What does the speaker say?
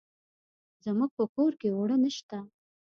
زموږ په کور کې اوړه نشته.